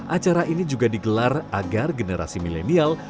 acara ini juga digelar agar generasi milenial